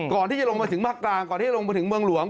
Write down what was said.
ก่อนที่จะลงมาถึงภาคกลางก่อนที่ลงมาถึงเมืองหลวง